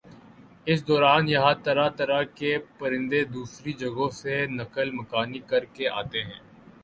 اس دوران یہاں طرح طرح کے پرندے دوسری جگہوں سے نقل مکانی کرکے آتے ہیں